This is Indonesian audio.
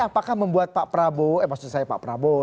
apakah membuat pak prabowo eh maksud saya pak prabowo